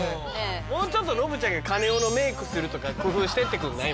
もうちょっとノブちゃんがカネオのメイクするとか工夫してってくんない？